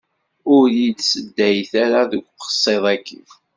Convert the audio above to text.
Ur yi-d-seddayet ara deg uqsiḍ-aki.